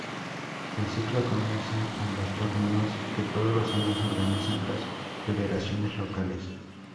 El ciclo comienza en los torneos que todos los años organizan las federaciones locales.